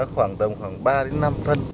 khoảng tầm khoảng ba đến năm phân